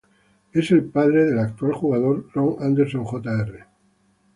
Es el padre del actual jugador Ron Anderson Jr.